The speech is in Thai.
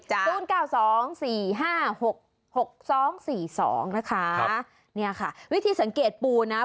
จ้ะฟูล๙๒๔๕๖๒๔๒นะคะเนี่ยค่ะวิธีสังเกตปูนะ